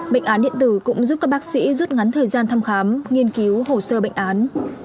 bệnh án điện tử cũng giúp các bác sĩ rút ngắn thời gian thăm khám nghiên cứu hồ sơ bệnh án